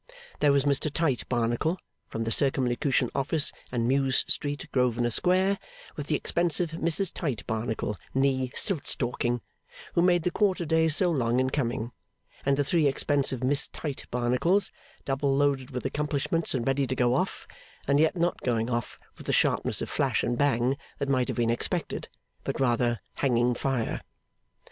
There was Mr Tite Barnacle, from the Circumlocution Office, and Mews Street, Grosvenor Square, with the expensive Mrs Tite Barnacle nee Stiltstalking, who made the Quarter Days so long in coming, and the three expensive Miss Tite Barnacles, double loaded with accomplishments and ready to go off, and yet not going off with the sharpness of flash and bang that might have been expected, but rather hanging fire.